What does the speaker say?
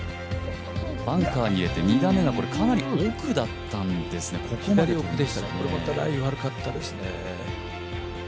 バンカーに入れて２打目がかなり奥だったんですね、ここまでこれまたライン、悪かったですね。